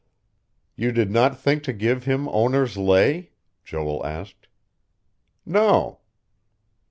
"You did not think to give him owner's lay?" Joel asked. "No."